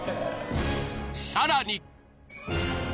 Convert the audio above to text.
［さらに］